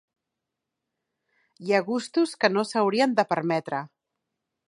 Hi ha gustos que no s'haurien de permetre.